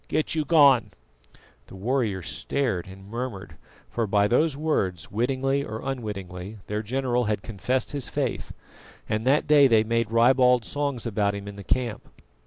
Get you gone!" The warriors stared and murmured, for by those words, wittingly or unwittingly, their general had confessed his faith, and that day they made ribald songs about him in the camp.